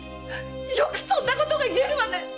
よくそんなことが言えるわね‼